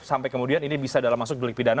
sampai kemudian ini bisa dalam masuk dolik pidana